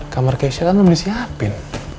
kamar keisha tadi udah disiapin